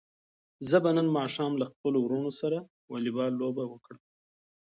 زه به نن ماښام له خپلو وروڼو سره واليبال لوبه وکړم.